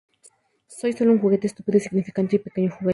Soy sólo un juguete. Un estúpido insignificante y pequeño juguete.